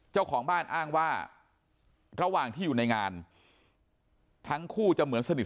เจ้าของบ้านอ้างว่าระหว่างที่อยู่ในงานทั้งคู่จะเหมือนสนิท